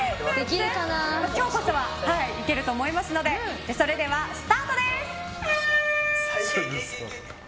今日こそはいけると思いますのでそれでは、スタートです。